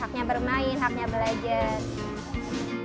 haknya bermain haknya belajar